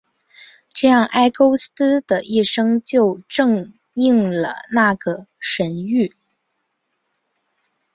这样埃勾斯的一生就正应了那个神谕。